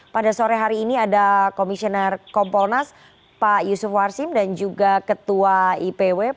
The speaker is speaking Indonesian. pada sore hari ini ada komisioner kompolnas pak yusuf warsim dan juga ketua ipw